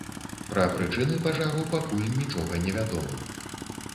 Пра прычыны пажару пакуль нічога невядома.